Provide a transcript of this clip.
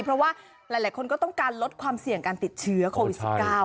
เพราะว่าหลายคนก็ต้องการลดความเสี่ยงการติดเชื้อโควิด๑๙